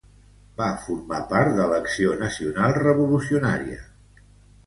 Va formar part de l'Acció Nacional Revolucionària.